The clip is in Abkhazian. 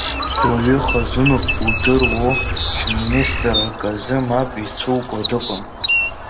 Дуаҩы хазыноуп, удыроу, ҳминистр, аказы мап ицәукуа дыҟам.